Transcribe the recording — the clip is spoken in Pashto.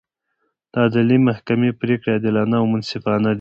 د عدلي محکمې پرېکړې عادلانه او منصفانه دي.